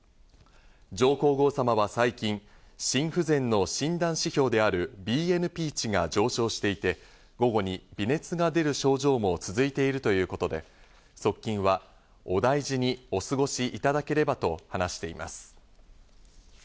上皇后さまは最近、心不全の診断指標であるＢＮＰ値が上昇していて、午後に微熱が出る症状も続いているということで、側近は、お大事にお過ごしいただければと話しています。